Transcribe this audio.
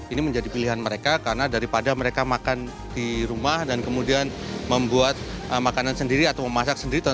ini menjadi pilihan mereka karena daripada mereka makan di rumah dan kemudian membuat makanan sendiri atau memasak sendiri